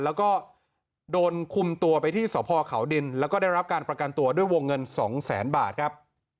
แล้วก็โดนคุมตัวไปที่สพเขาดินแล้วก็ได้รับการประกันตัวด้วยวงเงินสองแสนบาทครับ